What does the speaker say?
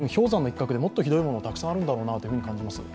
多分、氷山の一角でもっとひどいものもたくさんあるんだろうなと感じます。